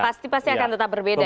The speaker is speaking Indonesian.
pasti pasti akan tetap berbeda